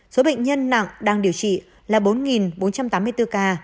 số bệnh nhân nặng đang điều trị là bốn bốn trăm tám mươi bốn ca